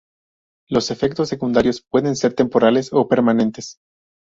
Los efectos secundarios pueden ser temporales o permanentes.